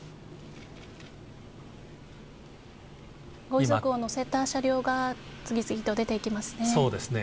ご遺族を乗せた車両が次々と出て行きますね。